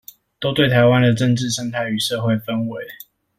都對臺灣的政治生態與社會氛圍